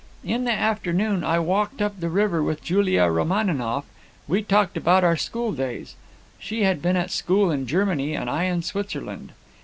"In the afternoon I walked up the river with Julia Romaninov; we talked about our schooldays. She had been at school in Germany, and I in Switzerland.